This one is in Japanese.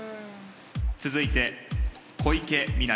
続いて小池美波。